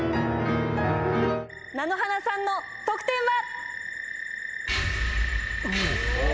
なのはなさんの得点は？